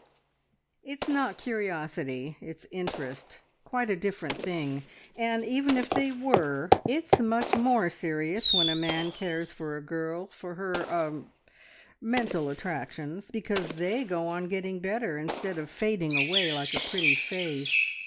"It's not curiosity, it's interest. Quite a different thing! And even if they were, it's much more serious when a man cares for a girl for her er mental attractions, because they go on getting better, instead of fading away like a pretty face.